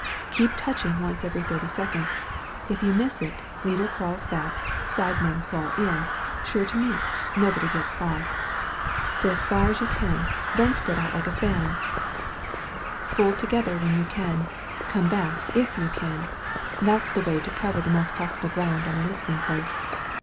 Keep touching once every thirty seconds. If you miss it, leader crawls back, side men crawl in, sure to meet, nobody gets lost. Go as far a« you can, then spread out like a fan, fold together when you 151 THE VALLEY OF VISION can, come back if you can — ^that's the way to cover the most possible ground on a listening post.